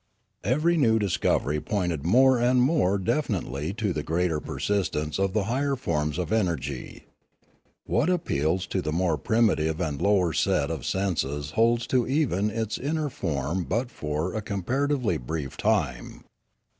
Every new discovery pointed more and more defin itely to the greater persistence of the higher forms of energy. What appeals to the more primitive and lower set of senses holds to even its inner form for but a com paratively brief time.